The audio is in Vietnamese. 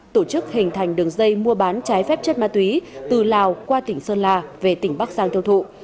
tổ chức hình thành đường dây mua bán trái phép chất ma túy từ lào qua tỉnh sơn la về tỉnh bắc giang tiêu thụ